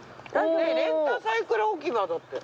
レンタサイクル置き場だって。